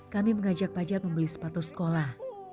kami mengajak fajar membeli sepatu sekolah